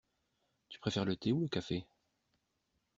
Tu préfères le thé ou le café?